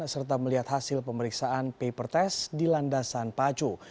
serta melihat hasil pemeriksaan paper test di landasan pacu